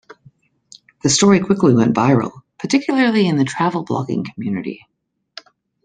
The story quickly went viral, particularly in the travel blogging community.